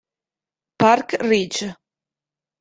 Park Ridge